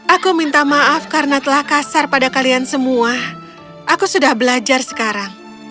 aku minta maaf karena telah kasar pada kalian semua aku sudah belajar sekarang